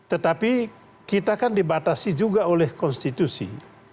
tetapi kita kan dibatasi juga oleh konstitusi